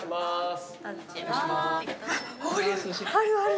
氷あるある。